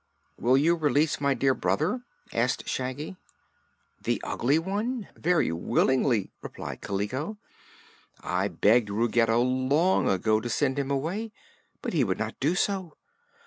"Will you release my dear brother?" asked Shaggy. "The Ugly One? Very willingly," replied Kaliko. "I begged Ruggedo long ago to send him away, but he would not do so.